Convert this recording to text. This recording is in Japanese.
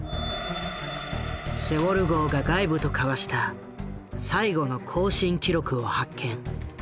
セウォル号が外部と交わした最後の交信記録を発見。